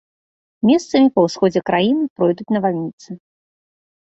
Месцамі па ўсходзе краіны пройдуць навальніцы.